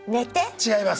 違います。